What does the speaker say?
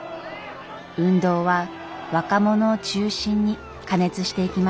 運動は若者を中心に過熱していきました。